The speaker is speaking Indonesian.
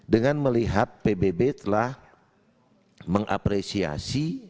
dengan melihat pbb telah mengapresiasi